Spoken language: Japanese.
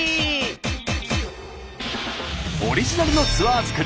オリジナルのツアー作り。